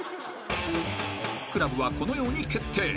［クラブはこのように決定］